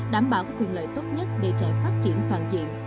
đảm bảo các quyền lợi tốt nhất để trẻ phát triển toàn diện